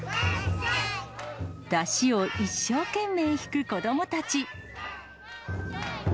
山車を一生懸命引く子どもたち。